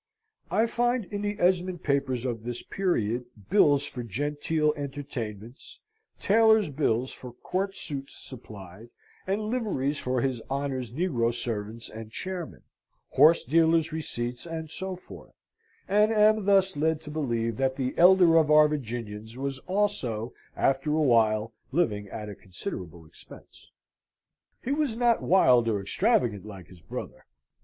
I find in the Esmond papers of this period, bills for genteel entertainments, tailors' bills for court suits supplied, and liveries for his honour's negro servants and chairmen, horse dealers' receipts, and so forth; and am thus led to believe that the elder of our Virginians was also after a while living at a considerable expense. He was not wild or extravagant like his brother.